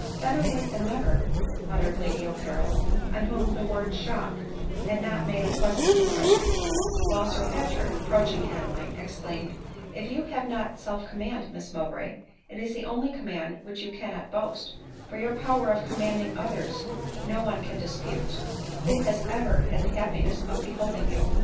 " Better late than never," muttered Lady O'Carrol, on whom the word shock had not made a pleasant im pression ; while Sir Patrick, approaching Adeline, ex claimed, " If you have not self command, Miss Mowbray, it is the only command which you cannot boast ; for your power of commanding others no one can dispute, who has ever had the happiness of beholding you."